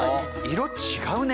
色違うね。